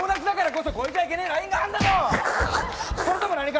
それとも何か。